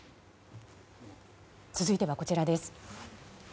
続いてはこちらです。